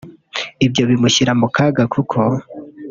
ibyo bimushyira mu kaga kuko